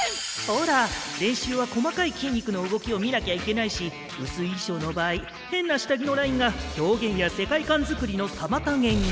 ほら練習は細かい筋肉の動きを見なきゃいけないし薄い衣装の場合変な下着のラインが表現や世界観づくりの妨げに。